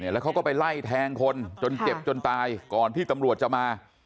แล้วเขาก็ไปไล่แทงคนจนเจ็บจนตายก่อนที่ตำรวจจะมา